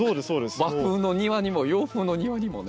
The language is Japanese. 和風の庭にも洋風の庭にもね。